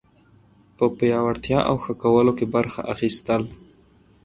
په پیاوړتیا او ښه کولو کې برخه اخیستل